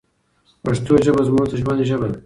پښتو ژبه زموږ د ژوند ژبه ده.